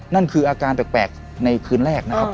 นั่นคืออาการแปลกในคืนแรกนะครับ